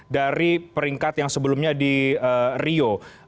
dari peringkat yang sebelumnya di rio